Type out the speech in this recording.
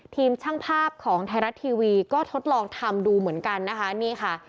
ทีมช่างภาพของไทยรัฐทีวีก็ทดลองทำดูเหมือนกันนะคะนี่ค่ะ